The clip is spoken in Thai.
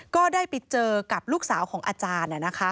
ก็ได้ไปเจอกับลูกสาวของอาจารย์